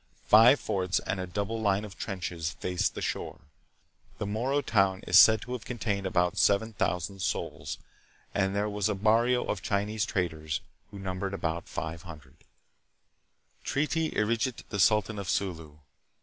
Five forts and a double line of trenches faced the shore. The Moro town is said to have contained about seven thousand souls, and there was a barrio of Chinese traders, who numbered about five hundred. PROGRESS AND REVOLUTION. 1837 1897. 271 Treaty iritJt the Sultan of Sulu.